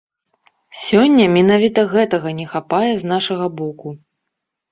Сёння менавіта гэтага не хапае з нашага боку.